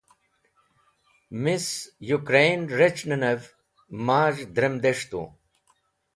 mis Yukreyn rec̃hakenev maz̃h drem des̃htu.